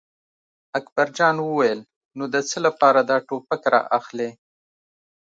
اکبر جان وویل: نو د څه لپاره دا ټوپک را اخلې.